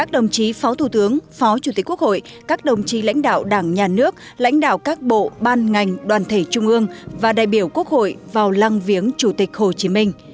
đồng chí phó thủ tướng phó chủ tịch quốc hội các đồng chí lãnh đạo đảng nhà nước lãnh đạo các bộ ban ngành đoàn thể trung ương và đại biểu quốc hội vào lăng viếng chủ tịch hồ chí minh